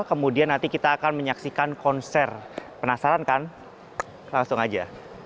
kemudian nanti kita akan menyaksikan konser penasaran kan langsung aja